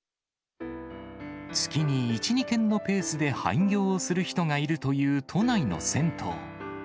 月に１、２軒のペースで廃業する人がいるという都内の銭湯。